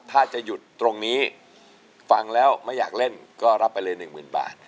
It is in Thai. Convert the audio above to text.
ถ้าจะหยุดตรงนี้ฟังแล้วไม่อยากเล่นก็รับไปเลยหนึ่งหมื่นบาท